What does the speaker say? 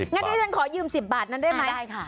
งั้นที่ฉันขอยืม๑๐บาทนั้นได้ไหม